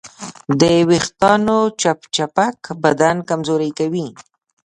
د وېښتیانو چپچپک بدن کمزوری ښکاري.